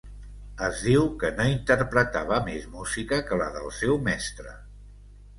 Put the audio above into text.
Es diu que no interpretava més música que la del seu mestre.